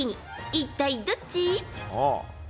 一体どっち？